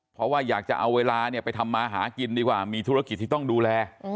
เพราะว่าอยากจะเอาเวลาไปทำมาหากินดีกว่ามีธุรกิจที่ต้องดูแล